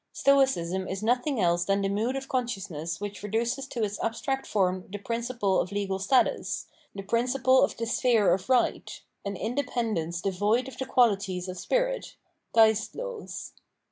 Stoicism is nothing else than the mood of consciousness which reduces to its abstract form the principle of legal status, the principle of the sphere of right, — an independence devoid of the quahties of spirit (geistlos).